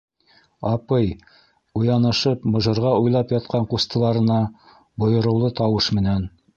Апый... - уянышып, мыжырға уйлап ятҡан ҡустыларына бойороулы тауыш менән: